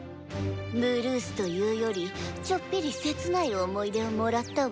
ブルースというよりちょっぴり切ない思い出をもらったわ。